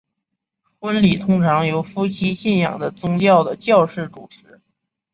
婚礼通常由夫妻信仰的宗教的教士主持。